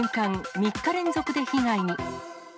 ３日連続で被害に。